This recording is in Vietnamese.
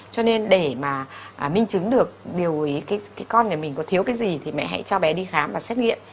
cho nên để mà minh chứng được điều ý cái con này mình có thiếu cái gì thì mẹ hãy cho bé đi khám và xét nghiệm